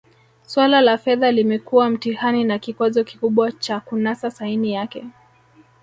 Suala la fedha limekuwa mtihani na kikwazo kikubwa cha kunasa saini yake